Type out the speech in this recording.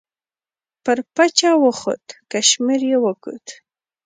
پر پچه وخوت، کشمیر یې وکوت.